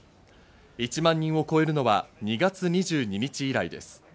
１万人を超えるのは２月２２日以来です。